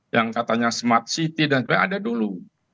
yang katanya smart city dan sebagainya ada dulu